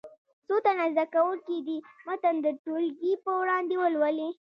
څو تنه زده کوونکي دې متن د ټولګي په وړاندې ولولي.